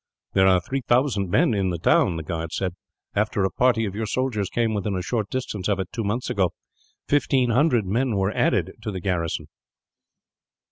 "There are three thousand men, in the town," the guard said. "After a party of your soldiers came within a short distance of it, two months ago, fifteen hundred men were added to the garrison."